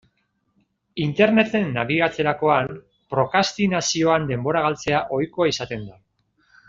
Interneten nabigatzerakoan, prokrastinazioan denbora galtzea ohikoa izaten da.